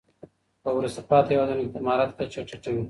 په وروسته پاته هېوادونو کي د مهارت کچه ټیټه وي.